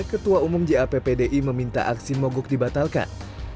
ketua umum jappdi meminta aksi mogok dibatalkan